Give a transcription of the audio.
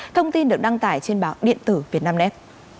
thông tin được đăng tải trên báo điện tử việt nam net